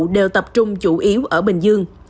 đều tập trung chủ yếu ở bình dương